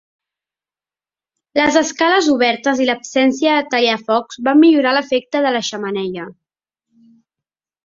Les escales obertes i l'absència de tallafocs van millorar l'efecte de la xemeneia.